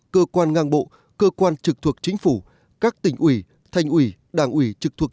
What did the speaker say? cơ quan ngang bộ cơ quan trực thuộc chính phủ các tỉnh ủy thành ủy đảng ủy trực thuộc